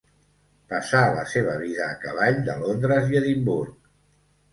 Passà la seva vida a cavall de Londres i Edimburg.